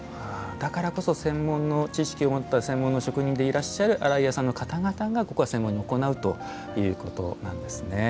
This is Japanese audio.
だからこそ専門の知識を持った専門の職人でいらっしゃる洗い屋さんの方々がここは専門に行うということなんですね。